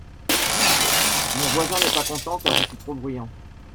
Mon voisin n'est pas content car je suis trop bruyant